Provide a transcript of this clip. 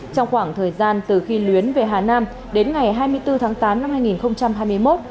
trong khoảng thời gian từ khi luyến về hà nam đến ngày hai mươi bốn tháng tám năm hai nghìn hai mươi một